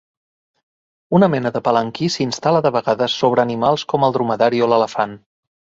Una mena de palanquí s'instal·la de vegades sobre animals com el dromedari o l'elefant.